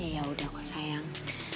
ya udah kok sayang